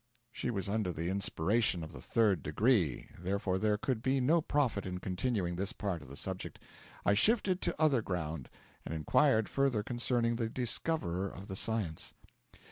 She was under the inspiration of the Third Degree, therefore there could be no profit in continuing this part of the subject. I shifted to other ground and inquired further concerning the Discoverer of the Science.